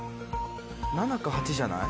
７か８じゃない？